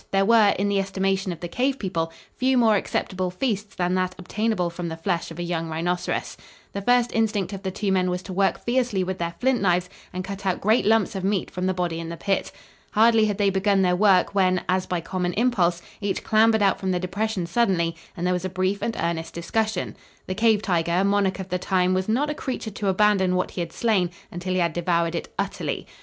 There were, in the estimation of the cave people, few more acceptable feasts than that obtainable from the flesh of a young rhinoceros. The first instinct of the two men was to work fiercely with their flint knives and cut out great lumps of meat from the body in the pit. Hardly had they begun their work, when, as by common impulse, each clambered out from the depression suddenly, and there was a brief and earnest discussion. The cave tiger, monarch of the time, was not a creature to abandon what he had slain until he had devoured it utterly.